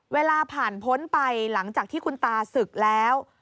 เวลาผ่านพ้นไปหลังจากที่คุณตาศึกแล้ว